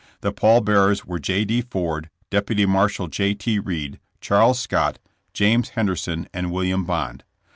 The pall bearers were J. D. Ford, Deputy Marshal J. T. Reed, Charles Scott, James Henderson and William Bond.